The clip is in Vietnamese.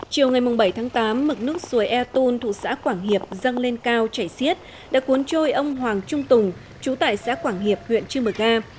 chiều ngày bảy tám mực nước suối e tun thủ xã quảng hiệp răng lên cao chảy xiết đã cuốn trôi ông hoàng trung tùng trú tại xã quảng hiệp huyện trư mực a